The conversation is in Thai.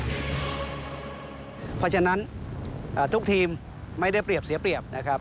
เพราะฉะนั้นทุกทีมไม่ได้เปรียบเสียเปรียบนะครับ